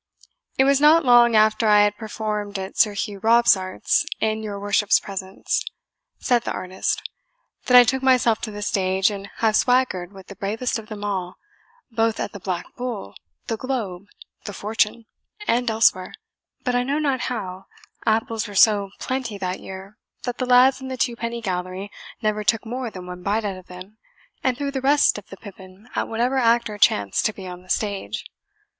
"It was not long after I had performed at Sir Hugh Robsart's, in your worship's presence," said the artist, "that I took myself to the stage, and have swaggered with the bravest of them all, both at the Black Bull, the Globe, the Fortune, and elsewhere; but I know not how apples were so plenty that year that the lads in the twopenny gallery never took more than one bite out of them, and threw the rest of the pippin at whatever actor chanced to be on the stage.